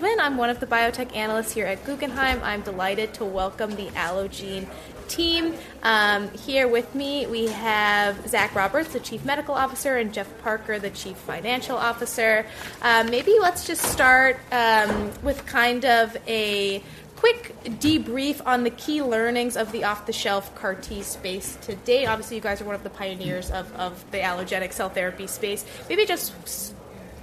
I'm one of the biotech analysts here at Guggenheim. I'm delighted to welcome the Allogene team. Here with me, we have Zach Roberts, the Chief Medical Officer, and Jeff Parker, the Chief Financial Officer. Maybe let's just start with kind of a quick debrief on the key learnings of the off-the-shelf CAR T space to date. Obviously, you guys are one of the pioneers of the allogeneic cell therapy space. Maybe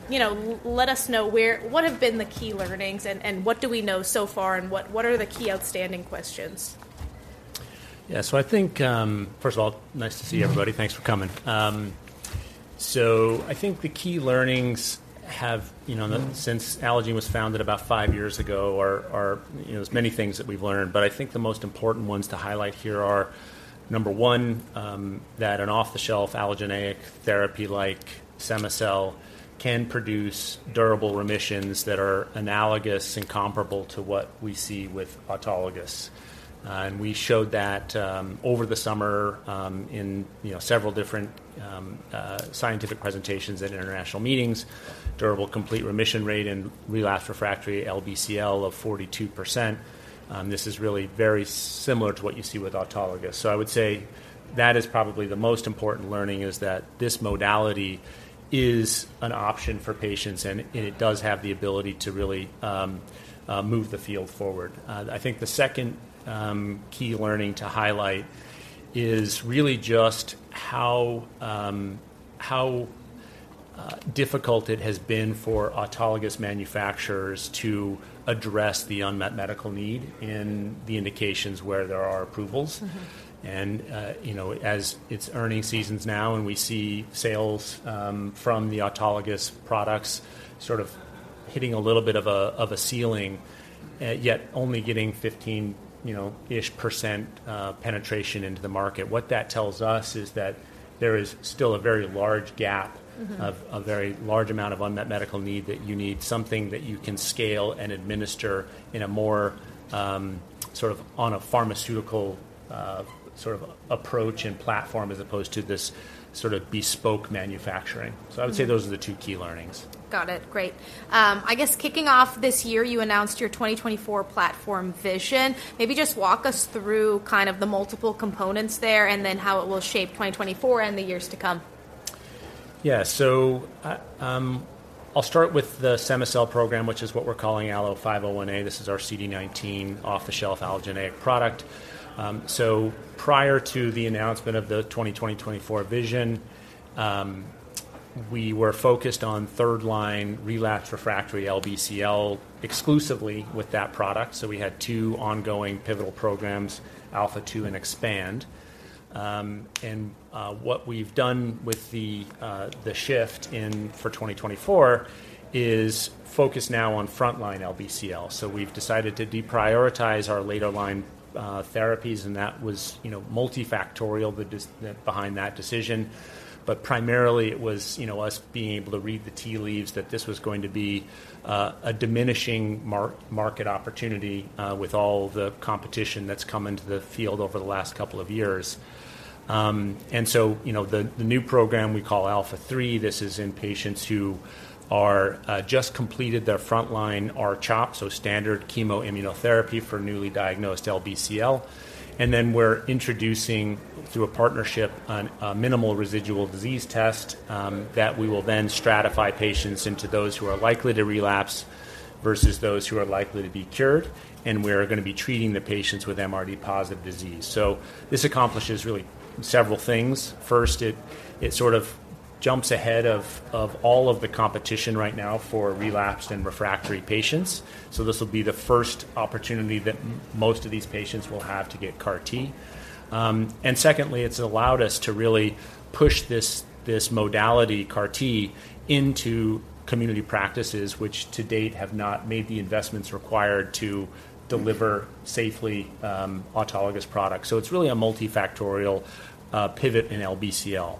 just you know let us know what have been the key learnings and what do we know so far, and what are the key outstanding questions? Yeah. So I think, first of all, nice to see everybody. Thanks for coming. So I think the key learnings have, you know, since Allogene was founded about 5 years ago, are, you know, there's many things that we've learned, but I think the most important ones to highlight here are, number one, that an off-the-shelf allogeneic therapy like cema-cel can produce durable remissions that are analogous and comparable to what we see with autologous. And we showed that, over the summer, in, you know, several different, scientific presentations at international meetings, durable complete remission rate in relapsed/refractory LBCL of 42%. This is really very similar to what you see with autologous. So I would say that is probably the most important learning, is that this modality is an option for patients, and it does have the ability to really move the field forward. I think the second key learning to highlight is really just how difficult it has been for autologous manufacturers to address the unmet medical need in the indications where there are approvals. Mm-hmm. You know, as it's earnings season now, and we see sales from the autologous products sort of hitting a little bit of a ceiling, yet only getting 15%, you know, ish penetration into the market. What that tells us is that there is still a very large gap- Mm-hmm... a very large amount of unmet medical need, that you need something that you can scale and administer in a more, sort of on a pharmaceutical, sort of approach and platform, as opposed to this sort of bespoke manufacturing. Mm-hmm. I would say those are the two key learnings. Got it. Great. I guess kicking off this year, you announced your 2024 platform vision. Maybe just walk us through kind of the multiple components there, and then how it will shape 2024 and the years to come. Yeah. So, I'll start with the cema-cel program, which is what we're calling ALLO-501A. This is our CD19 off-the-shelf allogeneic product. So prior to the announcement of the 2024 vision, we were focused on third-line relapsed/refractory LBCL exclusively with that product, so we had two ongoing pivotal programs, ALPHA2 and EXPAND. And what we've done with the shift in for 2024 is focus now on frontline LBCL. So we've decided to deprioritize our later line therapies, and that was, you know, multifactorial, the decision behind that decision. But primarily it was, you know, us being able to read the tea leaves that this was going to be a diminishing market opportunity with all the competition that's come into the field over the last couple of years. And so, you know, the new program we call ALPHA3, this is in patients who are just completed their frontline R-CHOP, so standard chemoimmunotherapy for newly diagnosed LBCL. And then we're introducing, through a partnership, a minimal residual disease test, that we will then stratify patients into those who are likely to relapse versus those who are likely to be cured, and we're gonna be treating the patients with MRD-positive disease. So this accomplishes really several things. First, it sort of jumps ahead of all of the competition right now for relapsed and refractory patients, so this will be the first opportunity that most of these patients will have to get CAR T. Secondly, it's allowed us to really push this modality, CAR T, into community practices, which to date have not made the investments required to deliver safely, autologous products. So it's really a multifactorial pivot in LBCL.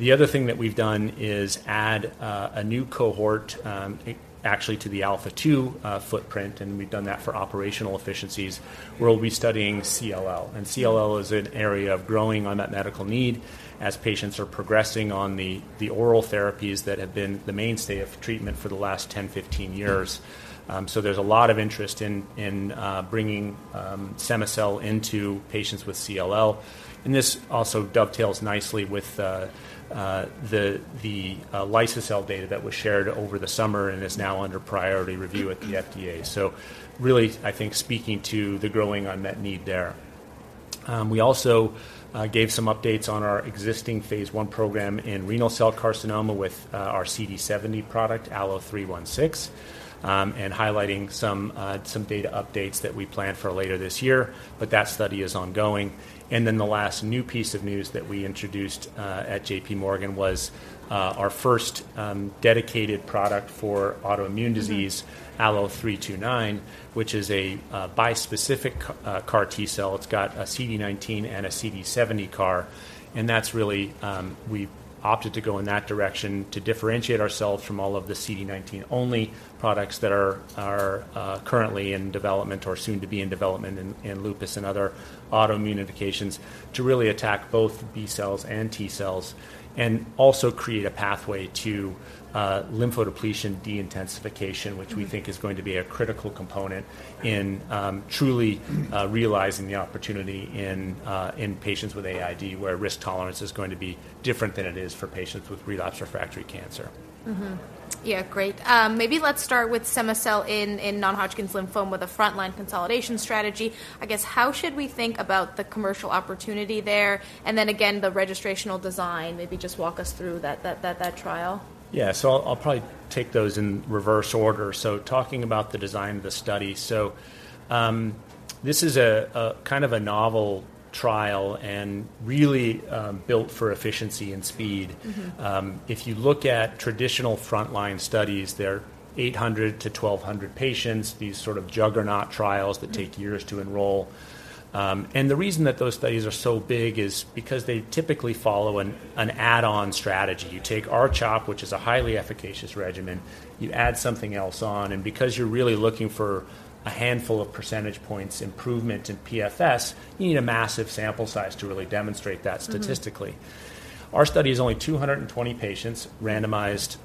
The other thing that we've done is add a new cohort, actually to the ALPHA 2 footprint, and we've done that for operational efficiencies, where we'll be studying CLL. CLL is an area of growing unmet medical need as patients are progressing on the oral therapies that have been the mainstay of treatment for the last 10, 15 years. So there's a lot of interest in bringing cema-cel into patients with CLL, and this also dovetails nicely with the liso-cel data that was shared over the summer and is now under priority review at the FDA. So really, I think speaking to the growing unmet need there. We also gave some updates on our existing phase I program in renal cell carcinoma with our CD70 product, ALLO-316, and highlighting some data updates that we plan for later this year, but that study is ongoing. Then the last new piece of news that we introduced at J.P. Morgan was our first dedicated product for autoimmune disease, ALLO-329, which is a bispecific CAR T-cell. It's got a CD19 and a CD70 CAR, and that's really, we opted to go in that direction to differentiate ourselves from all of the CD19-only products that are currently in development or soon to be in development in lupus and other autoimmune indications, to really attack both B-cells and T-cells, and also create a pathway to lymphodepletion de-intensification, Which we think is going to be a critical component in truly realizing the opportunity in patients with AID, where risk tolerance is going to be different than it is for patients with relapsed refractory cancer. Mm-hmm. Yeah, great. Maybe let's start with cema-cel in non-Hodgkin lymphoma with a frontline consolidation strategy. I guess, how should we think about the commercial opportunity there? And then again, the registrational design, maybe just walk us through that trial. Yeah. So I'll probably take those in reverse order. So talking about the design of the study. So, this is a kind of novel trial and really built for efficiency and speed. Mm-hmm. If you look at traditional frontline studies, they're 800-1,200 patients, these sort of juggernaut trials- Mm-hmm. -that take years to enroll. The reason that those studies are so big is because they typically follow an add-on strategy. You take R-CHOP, which is a highly efficacious regimen, you add something else on, and because you're really looking for a handful of percentage points improvement in PFS, you need a massive sample size to really demonstrate that statistically. Mm-hmm. Our study is only 220 patients, randomized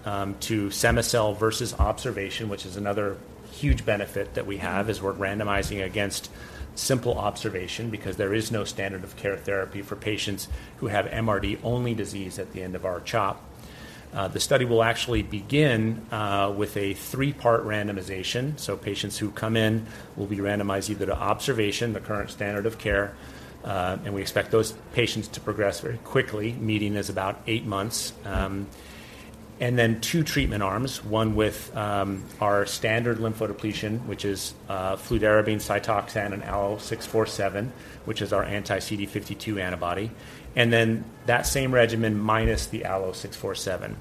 to cema-cel versus observation, which is another huge benefit that we have, as we're randomizing against simple observation because there is no standard of care therapy for patients who have MRD-only disease at the end of R-CHOP. The study will actually begin with a 3-part randomization. So patients who come in will be randomized either to observation, the current standard of care, and we expect those patients to progress very quickly, median is about 8 months. And then 2 treatment arms, one with our standard lymphodepletion, which is fludarabine, Cytoxan, and ALLO-647- Mm-hmm. which is our anti-CD52 antibody. And then that same regimen minus the ALLO-647.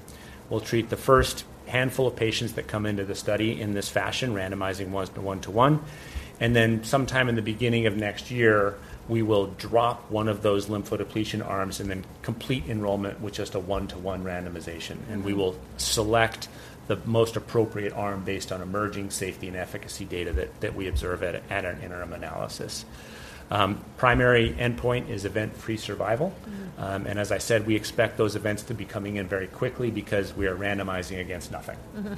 We'll treat the first handful of patients that come into the study in this fashion, randomizing 1 to 1 to 1, and then sometime in the beginning of next year, we will drop one of those lymphodepletion arms and then complete enrollment with just a 1-to-1 randomization. Mm-hmm. We will select the most appropriate arm based on emerging safety and efficacy data that we observe at an interim analysis. Primary endpoint is event-free survival. Mm-hmm. And as I said, we expect those events to be coming in very quickly because we are randomizing against nothing. Mm-hmm.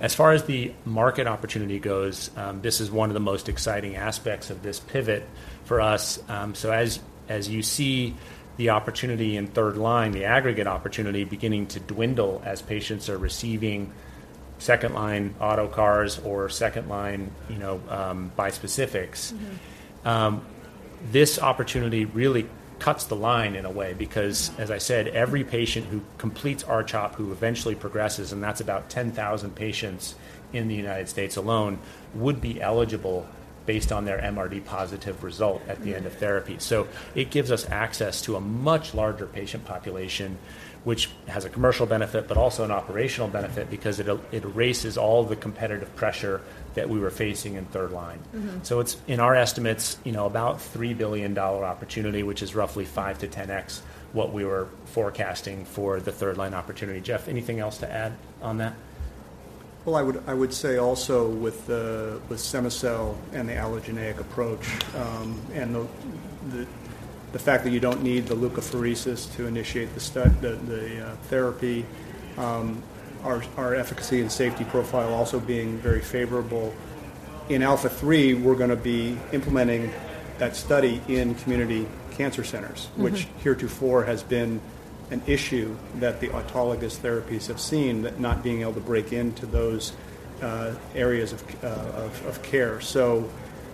As far as the market opportunity goes, this is one of the most exciting aspects of this pivot for us. So as, as you see the opportunity in third-line, the aggregate opportunity beginning to dwindle as patients are receiving second-line auto CARs or second-line, you know, bispecifics- Mm-hmm... this opportunity really cuts the line in a way, because, as I said, every patient who completes R-CHOP, who eventually progresses, and that's about 10,000 patients in the United States alone, would be eligible based on their MRD positive result at the end of therapy. Mm-hmm. So it gives us access to a much larger patient population, which has a commercial benefit, but also an operational benefit because it erases all the competitive pressure that we were facing in third line. Mm-hmm. So it's, in our estimates, you know, about $3 billion opportunity, which is roughly 5-10x what we were forecasting for the third-line opportunity. Jeff, anything else to add on that? Well, I would say also with cema-cel and the allogeneic approach, and the fact that you don't need the leukapheresis to initiate the therapy, our efficacy and safety profile also being very favorable. In ALPHA3, we're gonna be implementing that study in community cancer centers- Mm-hmm... which heretofore has been an issue that the autologous therapies have seen, that not being able to break into those areas of care. So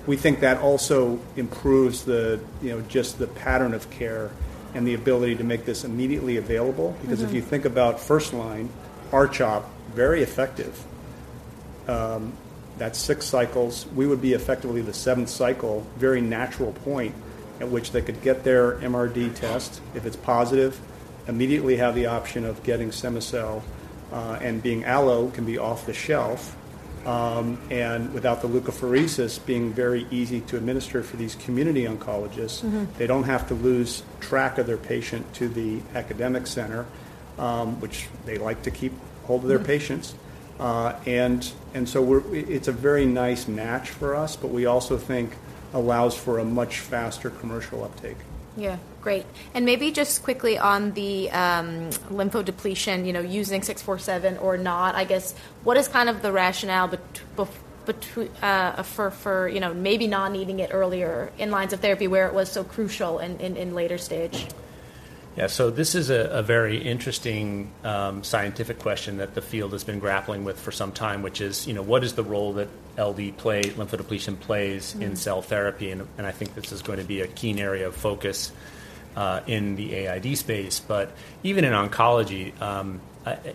we think that also improves the, you know, just the pattern of care and the ability to make this immediately available. Mm-hmm. Because if you think about first-line, R-CHOP, very effective. That's six cycles. We would be effectively the seventh cycle, very natural point at which they could get their MRD test. If it's positive, immediately have the option of getting cema-cel, and being allo, can be off the shelf. And without the leukapheresis being very easy to administer for these community oncologists- Mm-hmm... they don't have to lose track of their patient to the academic center, which they like to keep hold of their patients. Mm-hmm. And so it's a very nice match for us, but we also think allows for a much faster commercial uptake. Yeah. Great. And maybe just quickly on the lymphodepletion, you know, using 647 or not, I guess, what is kind of the rationale for you know, maybe not needing it earlier in lines of therapy where it was so crucial in later stage? Yeah, so this is a very interesting scientific question that the field has been grappling with for some time, which is, you know, what is the role that LD plays in cell therapy? And I think this is going to be a key area of focus in the AID space. But even in oncology,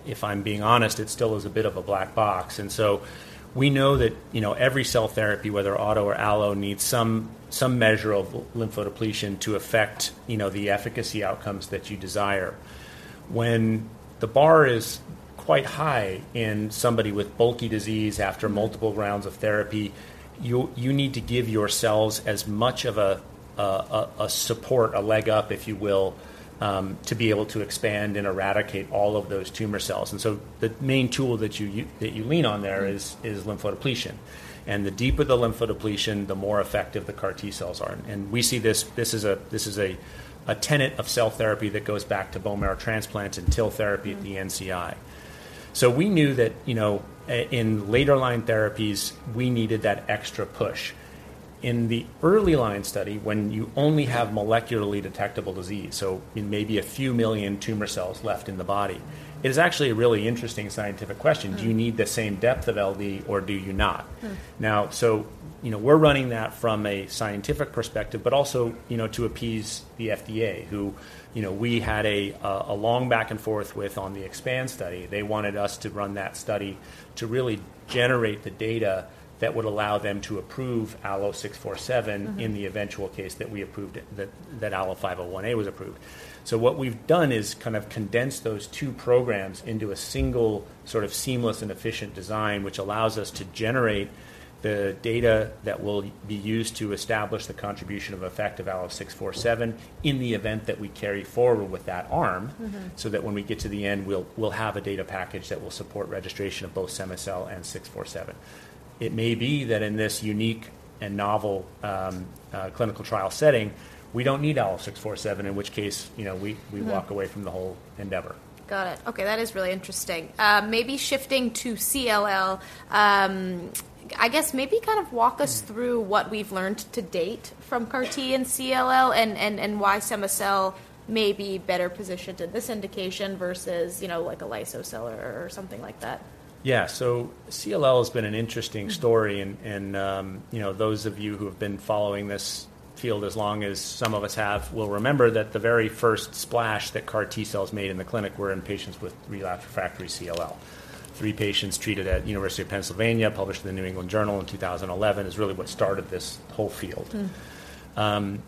if I'm being honest, it still is a bit of a black box. And so we know that, you know, every cell therapy, whether auto or allo, needs some measure of lymphodepletion to affect, you know, the efficacy outcomes that you desire. When the bar is quite high in somebody with bulky disease after multiple rounds of therapy, you need to give your cells as much of a support, a leg up, if you will, to be able to expand and eradicate all of those tumor cells And so the main tool that you lean on there is lymphodepletion. And the deeper the lymphodepletion, the more effective the CAR T cells are. And we see this. This is a tenet of cell therapy that goes back to bone marrow transplants and TIL therapy at the NCI. So we knew that, you know, in later line therapies, we needed that extra push. In the early line study, when you only have molecularly detectable disease, so in maybe a few million tumor cells left in the body, it is actually a really interesting scientific question: Do you need the same depth of LD or do you not? Mm. Now, so, you know, we're running that from a scientific perspective, but also, you know, to appease the FDA, who, you know, we had a, a long back and forth with on the expand study. They wanted us to run that study to really generate the data that would allow them to approve ALLO-647- Mm-hmm. in the eventual case that we approved it, that ALLO-501A was approved. So what we've done is kind of condensed those two programs into a single sort of seamless and efficient design, which allows us to generate the data that will be used to establish the contribution of effective ALLO-647 in the event that we carry forward with that arm. Mm-hmm. So that when we get to the end, we'll, we'll have a data package that will support registration of both cema-cel and ALLO-647. It may be that in this unique and novel clinical trial setting, we don't need ALLO-647, in which case, you know, we- Mm-hmm. We walk away from the whole endeavor. Got it. Okay, that is really interesting. Maybe shifting to CLL, I guess maybe kind of walk us through what we've learned to date from CAR T and CLL and why cema-cel may be better positioned in this indication versus, you know, like a liso-cel or something like that. Yeah. So CLL has been an interesting story- Mm. you know, those of you who have been following this field as long as some of us have, will remember that the very first splash that CAR T-cells made in the clinic were in patients with relapsed/refractory CLL. Three patients treated at University of Pennsylvania, published in the New England Journal in 2011, is really what started this whole field. Mm.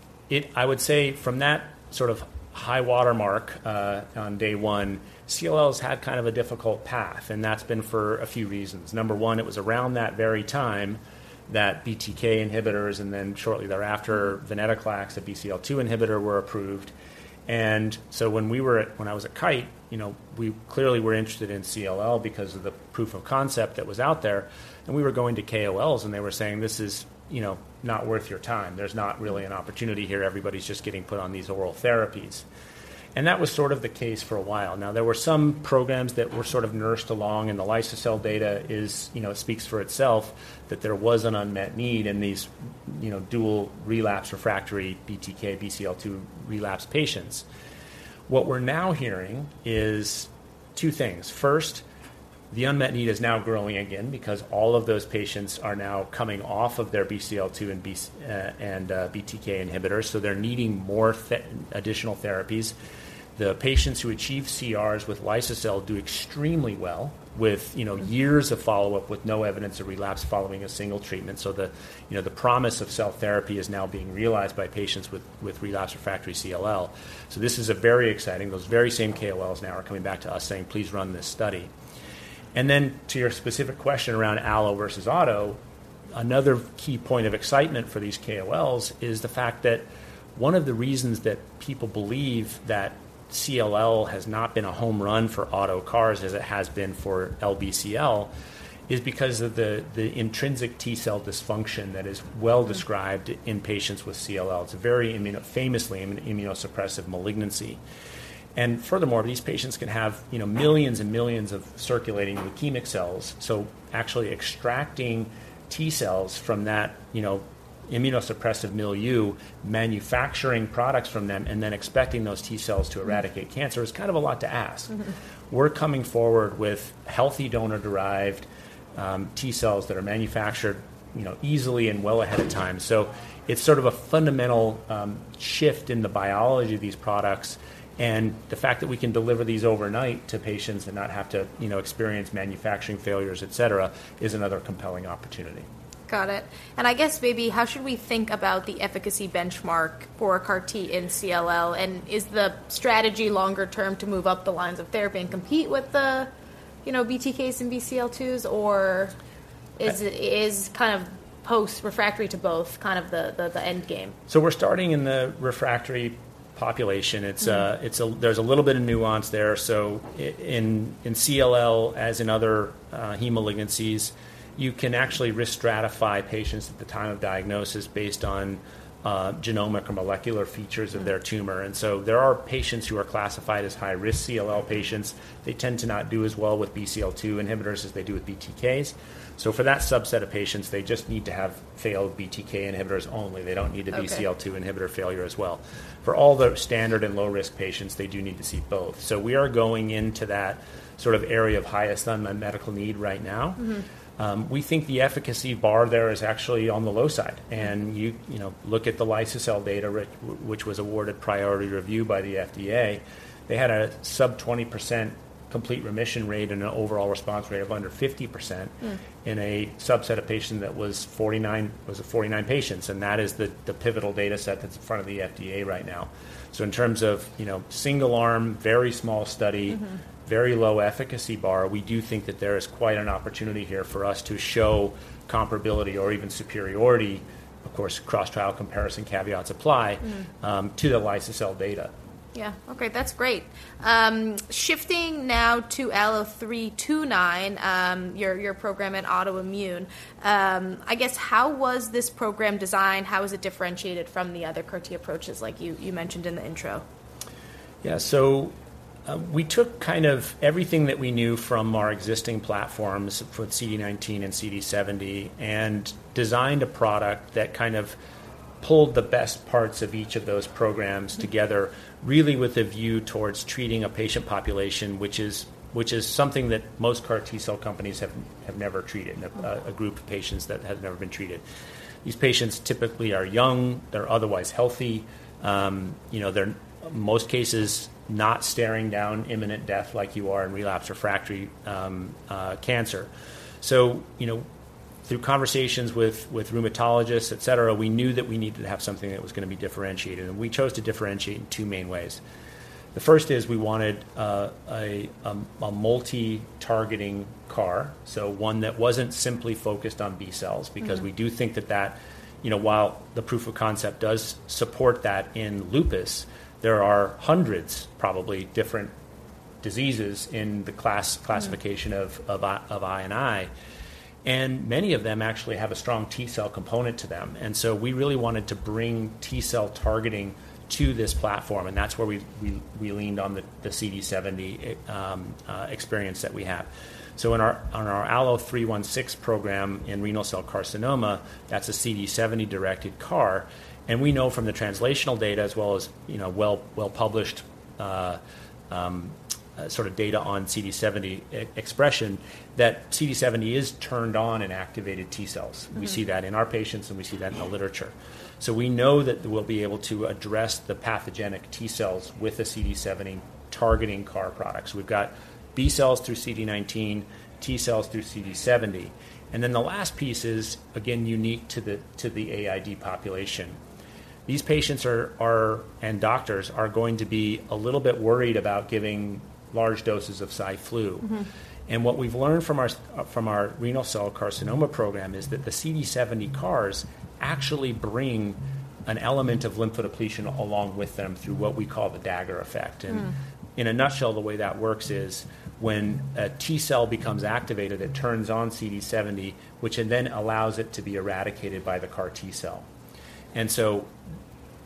I would say from that sort of high watermark on day one, CLLs had kind of a difficult path, and that's been for a few reasons. Number one, it was around that very time that BTK inhibitors, and then shortly thereafter, venetoclax, a BCL-2 inhibitor, were approved. And so when I was at Kite, you know, we clearly were interested in CLL because of the proof of concept that was out there, and we were going to KOLs, and they were saying: "This is, you know, not worth your time. There's not really an opportunity here. Everybody's just getting put on these oral therapies." And that was sort of the case for a while. Now, there were some programs that were sort of nursed along, and the liso-cel data is, you know, speaks for itself, that there was an unmet need in these, you know, dual relapse/refractory BTK, BCL-2 relapse patients. What we're now hearing is two things: First, the unmet need is now growing again because all of those patients are now coming off of their BCL-2 and BTK inhibitors, so they're needing additional therapies. The patients who achieve CRs with liso-cel do extremely well with, you know, years of follow-up with no evidence of relapse following a single treatment. So the, you know, the promise of cell therapy is now being realized by patients with relapse/refractory CLL. So this is a very exciting... Those very same KOLs now are coming back to us saying, "Please run this study." And then to your specific question around allo versus auto, another key point of excitement for these KOLs is the fact that one of the reasons that people believe that CLL has not been a home run for auto CARs, as it has been for LBCL, is because of the intrinsic T cell dysfunction that is well described. Mm In patients with CLL. It's a very famously an immunosuppressive malignancy. And furthermore, these patients can have, you know, millions and millions of circulating leukemic cells. So actually extracting T cells from that, you know, immunosuppressive milieu, manufacturing products from them, and then expecting those T cells to eradicate cancer is kind of a lot to ask. Mm-hmm. We're coming forward with healthy donor-derived T cells that are manufactured, you know, easily and well ahead of time. It's sort of a fundamental shift in the biology of these products, and the fact that we can deliver these overnight to patients and not have to, you know, experience manufacturing failures, et cetera, is another compelling opportunity. Got it. I guess maybe how should we think about the efficacy benchmark for CAR T in CLL? Is the strategy longer term to move up the lines of therapy and compete with the, you know, BTKs and BCL-2s, or is it- is kind of post refractory to both kind of the, the, the end game? So we're starting in the refractory population. Mm. It's a little bit of nuance there. So in CLL, as in other heme malignancies, you can actually risk stratify patients at the time of diagnosis based on genomic or molecular features of their tumor. Mm. And so there are patients who are classified as high-risk CLL patients. They tend to not do as well with BCL-2 inhibitors as they do with BTKs. So for that subset of patients, they just need to have failed BTK inhibitors only. They don't need the- Okay... BCL-2 inhibitor failure as well. For all the standard and low-risk patients, they do need to see both. So we are going into that sort of area of highest unmet medical need right now. Mm-hmm. We think the efficacy bar there is actually on the low side, and you know, look at the liso-cel data, which was awarded priority review by the FDA. They had a sub-20% complete remission rate and an overall response rate of under 50%. Mm. -in a subset of patients that was 49, was it 49 patients? And that is the pivotal data set that's in front of the FDA right now. So in terms of, you know, single arm, very small study- Mm-hmm. Very low efficacy bar, we do think that there is quite an opportunity here for us to show comparability or even superiority, of course, cross-trial comparison caveats apply. Mm. to the liso-cel cell data. Yeah. Okay, that's great. Shifting now to ALLO-329, your, your program at autoimmune, I guess, how was this program designed? How is it differentiated from the other CAR T approaches, like you, you mentioned in the intro? Yeah. So, we took kind of everything that we knew from our existing platforms for CD19 and CD70 and designed a product that kind of pulled the best parts of each of those programs together- Mm. -really with a view towards treating a patient population, which is something that most CAR T cell companies have never treated- Mm. A group of patients that have never been treated. These patients typically are young, they're otherwise healthy, you know, they're, most cases, not staring down imminent death like you are in relapsed refractory cancer. So, you know, through conversations with rheumatologists, et cetera, we knew that we needed to have something that was going to be differentiated, and we chose to differentiate in two main ways. The first is we wanted a multi-targeting CAR, so one that wasn't simply focused on B cells- Mm-hmm. because we do think that you know, while the proof of concept does support that in lupus, there are hundreds, probably different diseases in the class. Mm. classification of type I, type I and II, and many of them actually have a strong T cell component to them. And so we really wanted to bring T cell targeting to this platform, and that's where we leaned on the CD70 experience that we have. So in our ALLO-316 program in renal cell carcinoma, that's a CD70-directed CAR, and we know from the translational data as well as, you know, well-published sort of data on CD70 expression, that CD70 is turned on in activated T cells. Mm-hmm. We see that in our patients, and we see that in the literature. So we know that we'll be able to address the pathogenic T cells with the CD70 targeting CAR products. We've got B cells through CD19, T cells through CD70. And then the last piece is, again, unique to the AID population. These patients and doctors are going to be a little bit worried about giving large doses of Cy/Flu. Mm-hmm. What we've learned from our renal cell carcinoma program is that the CD70 CARs actually bring an element of lymphodepletion along with them through what we call the Dagger effect. Mm. In a nutshell, the way that works is when a T cell becomes activated, it turns on CD70, which then allows it to be eradicated by the CAR T cell. And so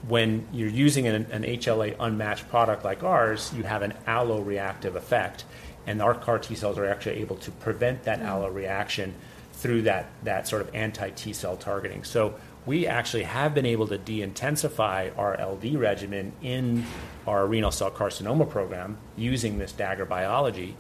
when you're using an HLA unmatched product like ours, you have an alloreactive effect, and our CAR T cells are actually able to prevent that- Mm. alloreaction through that, that sort of anti-T cell targeting. So we actually have been able to deintensify our LD regimen in our renal cell carcinoma program using this Dagger biology,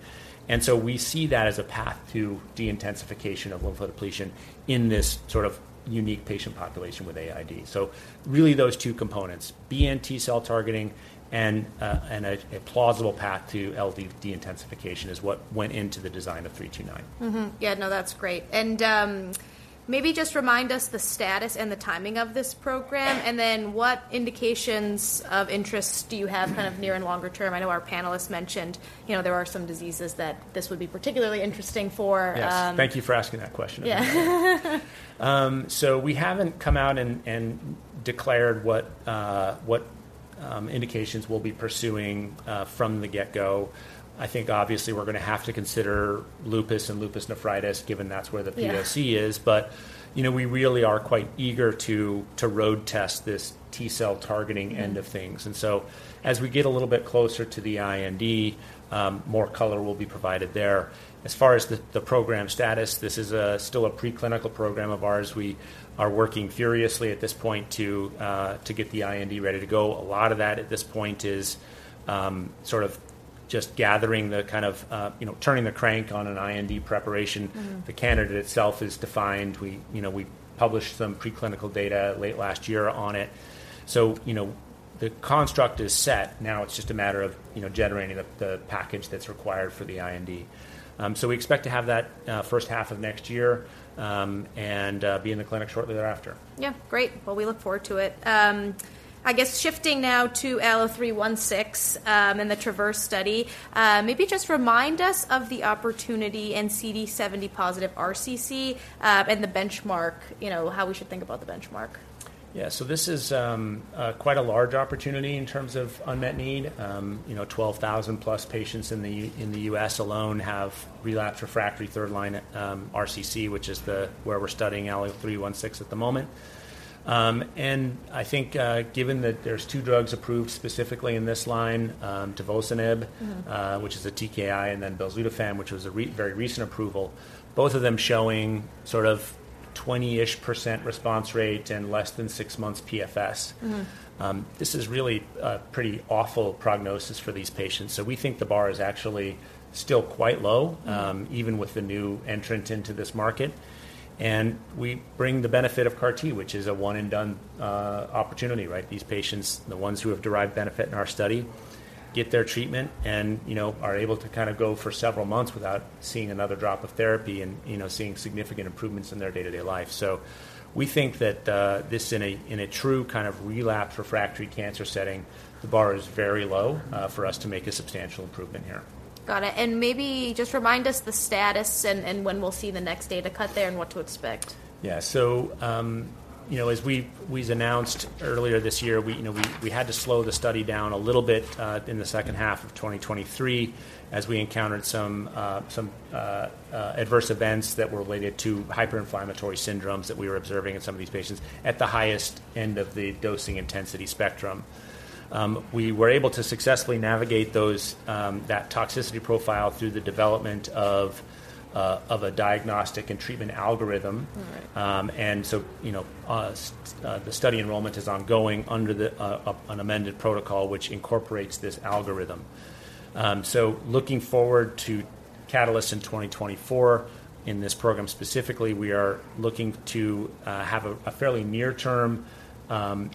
and so we see that as a path to deintensification of lymphodepletion in this sort of unique patient population with AID. So really, those two components, B and T cell targeting and a plausible path to LD deintensification, is what went into the design of 329. Mm-hmm. Yeah, no, that's great. And, maybe just remind us the status and the timing of this program, and then what indications of interest do you have kind of near and longer term? I know our panelists mentioned, you know, there are some diseases that this would be particularly interesting for, Yes. Thank you for asking that question. Yeah. So we haven't come out and declared what indications we'll be pursuing from the get-go. I think obviously we're going to have to consider lupus and lupus nephritis, given that's where the POC is. Yeah. But, you know, we really are quite eager to road test this T cell targeting- Mm... end of things. And so as we get a little bit closer to the IND, more color will be provided there. As far as the program status, this is still a preclinical program of ours. We are working furiously at this point to get the IND ready to go. A lot of that at this point is sort of just gathering the kind of, you know, turning the crank on an IND preparation. Mm-hmm. The candidate itself is defined. We, you know, we published some preclinical data late last year on it. So, you know, the construct is set. Now, it's just a matter of, you know, generating the package that's required for the IND. So we expect to have that first half of next year, and be in the clinic shortly thereafter. Yeah, great. Well, we look forward to it. I guess shifting now to ALLO-316, and the TRAVERSE trial, maybe just remind us of the opportunity in CD70-positive RCC, and the benchmark, you know, how we should think about the benchmark. Yeah. So this is quite a large opportunity in terms of unmet need. You know, 12,000+ patients in the U.S. alone have relapsed refractory third-line RCC, which is where we're studying ALLO-316 at the moment. And I think, given that there's two drugs approved specifically in this line, tivozanib- Mm-hmm... which is a TKI, and then belzutifan, which was a very recent approval, both of them showing sort of 20-ish% response rate in less than six months PFS. Mm. This is really a pretty awful prognosis for these patients. So we think the bar is actually still quite low- Mm... even with the new entrant into this market. And we bring the benefit of CAR T, which is a one and done opportunity, right? These patients, the ones who have derived benefit in our study get their treatment and, you know, are able to kind of go for several months without seeing another drop of therapy and, you know, seeing significant improvements in their day-to-day life. So we think that this in a, in a true kind of relapse refractory cancer setting, the bar is very low for us to make a substantial improvement here. Got it. Maybe just remind us the status and when we'll see the next data cut there and what to expect. Yeah. So, you know, as we've announced earlier this year, you know, we had to slow the study down a little bit, in the second half of 2023 as we encountered some adverse events that were related to hyperinflammatory syndromes that we were observing in some of these patients at the highest end of the dosing intensity spectrum. We were able to successfully navigate those, that toxicity profile through the development of a diagnostic and treatment algorithm. All right. And so, you know, the study enrollment is ongoing under an amended protocol, which incorporates this algorithm. So looking forward to catalysts in 2024, in this program specifically, we are looking to have a fairly near-term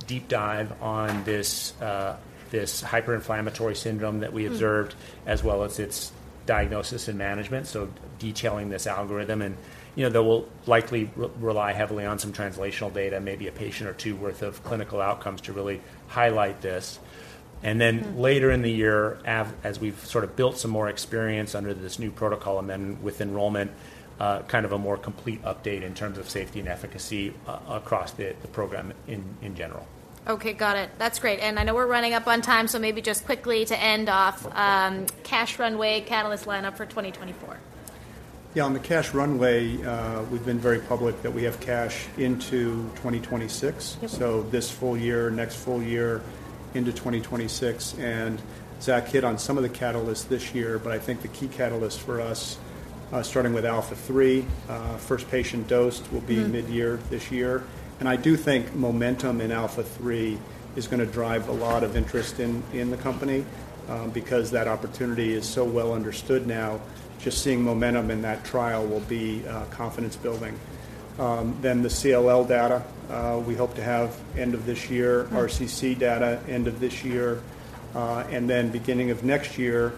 deep dive on this hyperinflammatory syndrome that we observed- Mm. as well as its diagnosis and management, so detailing this algorithm. You know, that will likely rely heavily on some translational data, maybe a patient or two worth of clinical outcomes to really highlight this. Mm. And then later in the year, as we've sort of built some more experience under this new protocol, and then with enrollment, kind of a more complete update in terms of safety and efficacy across the, the program in, in general. Okay, got it. That's great. And I know we're running up on time, so maybe just quickly to end off- Okay. cash runway, catalyst lineup for 2024. Yeah, on the cash runway, we've been very public that we have cash into 2026. Yep. So this full year, next full year into 2026, and Zach hit on some of the catalysts this year. But I think the key catalyst for us, starting with ALPHA3, first patient dosed will be- Mm -mid-year this year. And I do think momentum in ALPHA3 is gonna drive a lot of interest in, in the company, because that opportunity is so well understood now. Just seeing momentum in that trial will be, confidence building. Then the CLL data, we hope to have end of this year- Mm. RCC data end of this year. And then beginning of next year,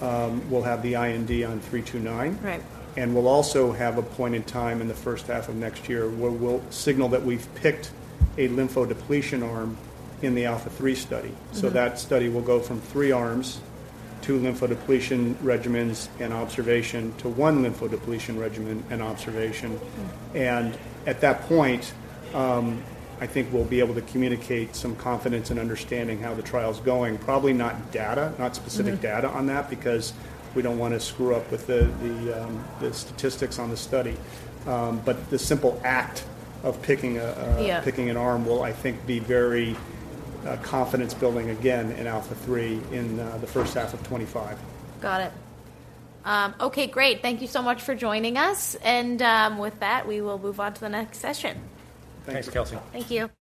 we'll have the IND on 329. Right. We'll also have a point in time in the first half of next year, where we'll signal that we've picked a lymphodepletion arm in the ALPHA3 study. Mm. That study will go from 3 arms, 2 lymphodepletion regimens, and observation to 1 lymphodepletion regimen and observation. Mm. At that point, I think we'll be able to communicate some confidence in understanding how the trial's going. Probably not data, not specific data- Mm -on that because we don't want to screw up with the statistics on the study. But the simple act of picking a, a- Yeah... picking an arm will, I think, be very, confidence building again in ALPHA-3 in, the first half of 2025. Got it. Okay, great. Thank you so much for joining us. And, with that, we will move on to the next session. Thanks. Thanks, Kelsey. Thank you.